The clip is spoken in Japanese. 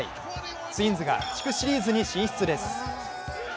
ツインズが地区シリーズに進出です。